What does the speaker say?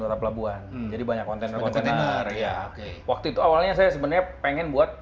kota pelabuhan jadi banyak kontainer kontainer waktu itu awalnya saya sebenarnya pengen buat